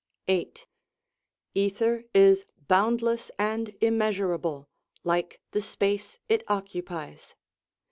VIII Ether is boundless and immeasurable, like the space it occupies.